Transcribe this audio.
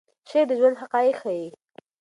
شعر د ژوند حقایق ښیي.